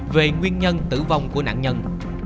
về nguyên nhân tử vong của nạn nhân